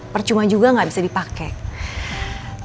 percuma juga nggak bisa dipakai